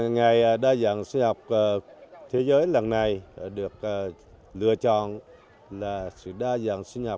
ngày đa dạng sinh học thế giới lần này được lựa chọn là sự đa dạng sinh học